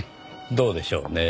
どうでしょうねぇ。